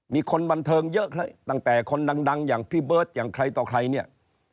มีคนบันเทิงเยอะตั้งแต่คนดังอย่างพี่เบิร์ตอย่างใครต่อใครเนี่ย